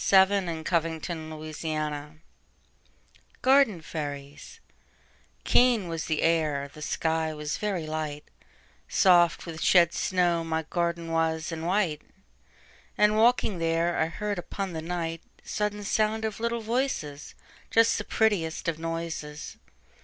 Philip Bourke Marston 1850–87 Garden Fairies KEEN was the air, the sky was very light, Soft with shed snow my garden was, and white, And, walking there, I heard upon the nightSudden sound of little voices, Just the prettiest of noises.